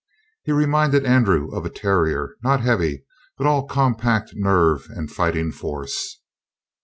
He reminded Andrew of a terrier, not heavy, but all compact nerve and fighting force.